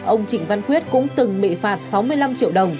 ông trịnh văn quyết cũng từng bị phạt sáu mươi năm triệu đồng